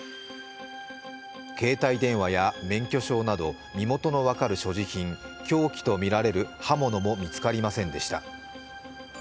携帯電話や免許証など身元の分かる所持品凶器とみられる刃物も見つかりませんでした。